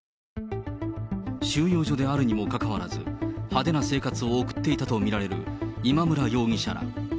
収容所であるにもかかわらず、派手な生活を送っていたと見られる今村容疑者ら。